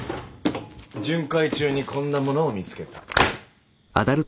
巡回中にこんなものを見つけた。